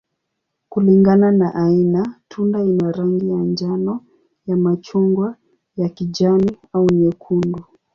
Kulingana na aina, tunda ina rangi ya njano, ya machungwa, ya kijani, au nyekundu.